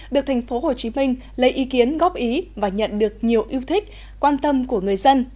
được tp hcm lấy ý kiến góp ý và nhận được nhiều yêu thích quan tâm của người dân